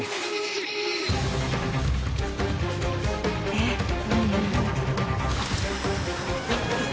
えっ何？